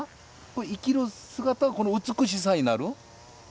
生きる姿がこの美しさになる。